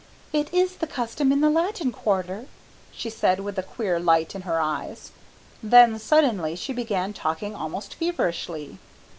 "It is the custom in the Latin Quarter," she said with a queer light in her eyes. Then suddenly she began talking almost feverishly.